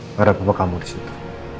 nggak ada gapapa kamu disitu